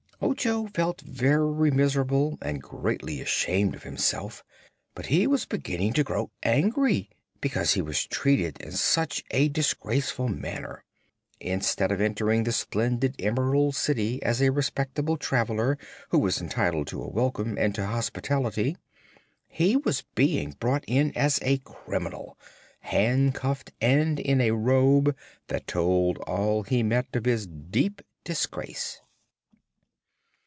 Ojo felt very miserable and greatly ashamed of himself, but he was beginning to grow angry because he was treated in such a disgraceful manner. Instead of entering the splendid Emerald City as a respectable traveler who was entitled to a welcome and to hospitality, he was being brought in as a criminal, handcuffed and in a robe that told all he met of his deep disgrace.